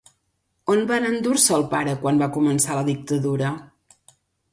On van endur-se al pare quan va començar la dictadura?